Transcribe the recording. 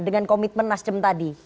dengan komitmen nasjem tadi